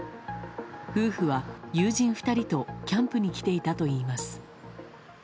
夫婦は友人２人とキャンプに来ていたといいます。